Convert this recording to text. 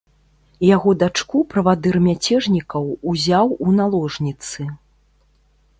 Яго дачку правадыр мяцежнікаў узяў у наложніцы.